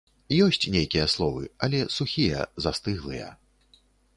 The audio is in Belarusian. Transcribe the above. Ёсць нейкія словы, але сухія, застыглыя.